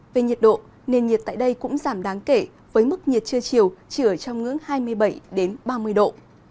về nhiệt độ nền nhiệt tại đây cũng giảm đáng kể với mức nhiệt trưa chiều chỉ ở trong ngưỡng hai mươi bảy ba mươi độ